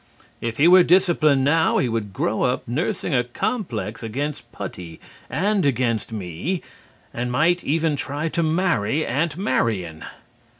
If he were disciplined now, he would grow up nursing a complex against putty and against me and might even try to marry Aunt Marian.